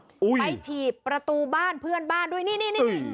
ไปถีบประตูบ้านเพื่อนบ้านด้วยนี่นี่